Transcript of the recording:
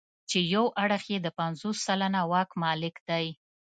چې یو اړخ یې د پنځوس سلنه واک مالک دی.